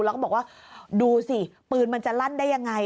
แล้วก็บอกว่าดูสิปืนมันจะลั่นได้ยังไง